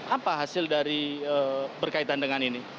apa hasil dari berkaitan dengan ini